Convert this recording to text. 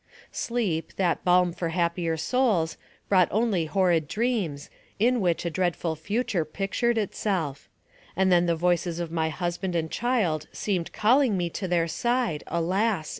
Sleep, that balm for happier souls, brought only horrid dreams, in which a dreadful future pictured itself; and then the voices of my husband and child seemed calling me to their side, alas!